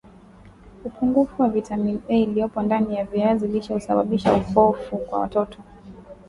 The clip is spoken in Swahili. Upungufu wa vitamini A iliyopo ndani ya viazi lishe husababisha upofu kwa watoto